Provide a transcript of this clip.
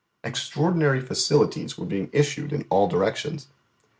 Extraordinary facilities were being issued in all directions.